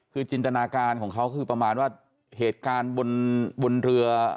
คือจินตนาการของเขาคือประมาณว่าเหตุการณ์บนเรือ